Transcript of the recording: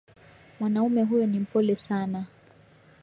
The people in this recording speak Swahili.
Mwanaume huyo ni mpole sana